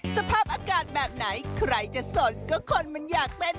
สภาพอากาศแบบไหนใครจะสดก็คนมันอยากเต้น